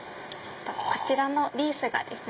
こちらのリースがですね